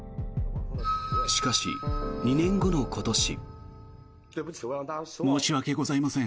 しかし、２年後の今年。